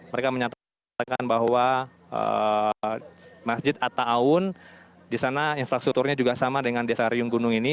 mereka menyatakan bahwa masjid atta awun di sana infrastrukturnya juga sama dengan desa riung gunung ini